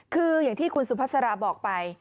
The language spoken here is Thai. คืออย่างที่คุณสุภาษาราบอกไป